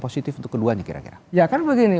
positif untuk keduanya kira kira ya kan begini